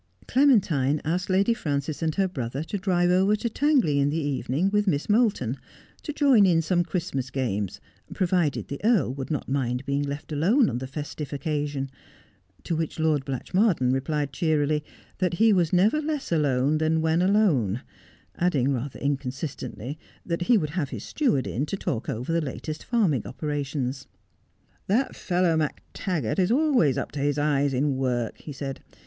Clementine asked Lady Frances and her brother to drive over to Tangley in the evening with Miss Moulton, to join in some Christmas games, provided the Earl would not mind being left alone on the festive occasion ; to which Lord Blatchmardean replied cheerily that he was never less alone than when alone, adding, rather inconsistently, that he would have his steward in to talk over the latest farming operations. ' That fellow MacTaggart is always up to his eyes in work,' he said.